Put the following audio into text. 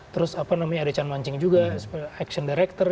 terus apa namanya ada chan mancing juga action director